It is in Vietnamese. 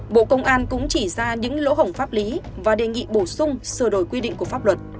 bộ công an cũng chỉ ra những lỗ hổng pháp lý và đề nghị bổ sung sửa đổi quy định của pháp luật